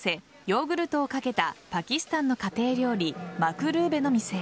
ヨーグルトをかけたパキスタンの家庭料理マクルーベの店。